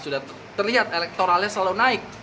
sudah terlihat elektoralnya selalu naik